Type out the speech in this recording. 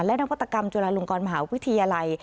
และนวัตกรรมจุฬาลงกรมหาวิทยาลัย